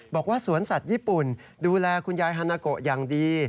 บอกว่าสวนสัตว์ญี่ปุ่นดูแลคุณยายฮานาโกะอย่างดี